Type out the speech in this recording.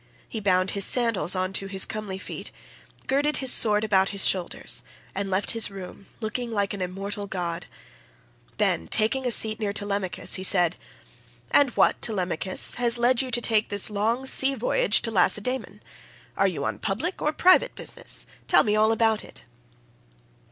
He bound his sandals on to his comely feet, girded his sword about his shoulders, and left his room looking like an immortal god. Then, taking a seat near Telemachus he said: "And what, Telemachus, has led you to take this long sea voyage to Lacedaemon? Are you on public, or private business? Tell me all about it."